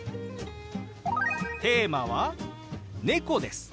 テーマは「猫」です。